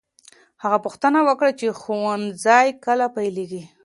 هغه پوښتنه وکړه چې ښوونځی کله پیلېږي.